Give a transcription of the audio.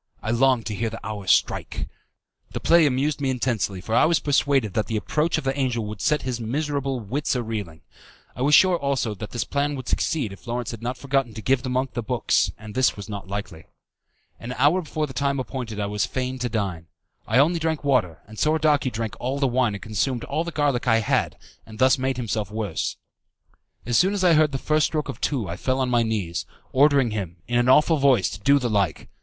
I longed to hear the hour strike. The play amused me intensely, for I was persuaded that the approach of the angel would set his miserable wits a reeling. I was sure, also, that the plan would succeed if Lawrence had not forgotten to give the monk the books, and this was not likely. An hour before the time appointed I was fain to dine. I only drank water, and Soradaci drank all the wine and consumed all the garlic I had, and thus made himself worse. As soon as I heard the first stroke of two I fell on my knees, ordering him, in an awful voice, to do the like.